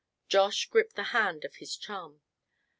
Josh gripped the hand of his chum.